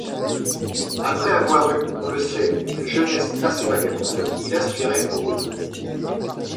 Après avoir eu, on le sait, une jeunesse assez vagabonde, il aspirait au repos.